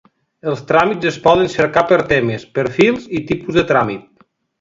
Els tràmits es poden cercar per temes, perfils i tipus de tràmit.